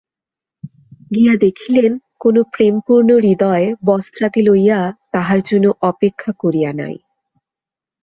গিয়া দেখিলেন, কোনো প্রেমপূর্ণ হৃদয় বসত্রাদি লইয়া তাঁহার জন্য অপেক্ষা করিয়া নাই।